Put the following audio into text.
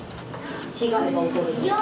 被害が起こるのは。